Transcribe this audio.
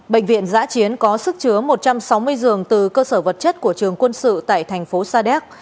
bệnh viện giã chiến có sức chứa một trăm sáu mươi giường từ cơ sở vật chất của trường quân sự tại thành phố sa đéc